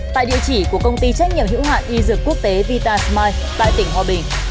tại địa chỉ của công ty trách nhiệm hữu hạn y dược quốc tế vitasmile tại tỉnh hòa bình